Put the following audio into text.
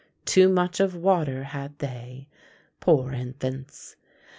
"Too much of water had they," poor infants.